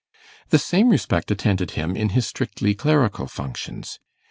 The same respect attended him in his strictly clerical functions.